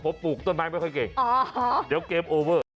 ผมปลูกต้นไม้ไม่ค่อยเก่งเดี๋ยวเกมโอเวอร์